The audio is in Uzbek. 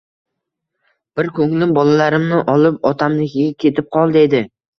Bir ko`nglim bolalarimni olib otamnikiga ketib qol, deydi